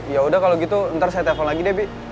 ya udah kalau gitu ntar saya telepon lagi deh bi